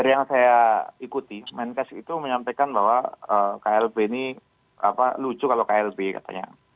yang saya ikuti menkes itu menyampaikan bahwa klb ini lucu kalau klb katanya